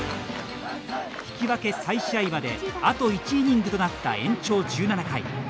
引き分け再試合まであと１イニングとなった延長１７回。